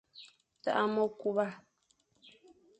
Tagha mekuba.